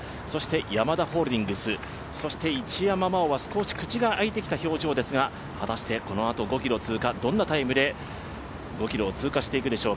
ヤマダホールディングス、そして一山麻緒は少し口が開いてきた表情ですが、このあと５ｋｍ通過、どんなタイムで５ｋｍを通過していくでしょう。